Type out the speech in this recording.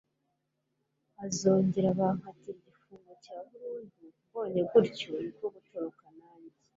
azongeraho bankatira igifungo cya burundu mbonye gutyo niko gutoroka nanjye